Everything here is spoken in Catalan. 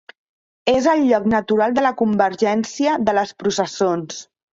És el lloc natural de la convergència de les processons.